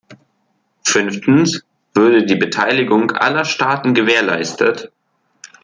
Fünftens würde die Beteiligung aller Staaten gewährleistet.